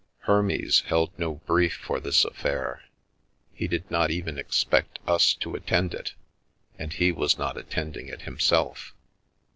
Hermes held no brief for this affair; he did not even expect us to attend it, and he was not attending it himself.